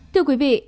thưa quý vị